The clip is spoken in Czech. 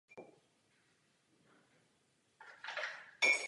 Divoké kmeny vznikly dříve.